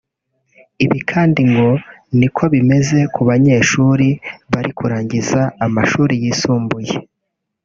Ibi kandi ngo niko bimeze ku banyeshuri bari kurangiza amashuri yisumbuye